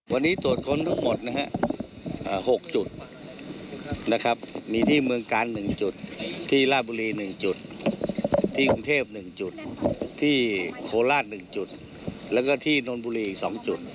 วันนี้ตรวจค้นทั้งหมดนะฮะ๖จุดนะครับมีที่เมืองกาล๑จุดที่ลาบุรี๑จุดที่กรุงเทพ๑จุดที่โคราช๑จุดแล้วก็ที่นนบุรีอีก๒จุด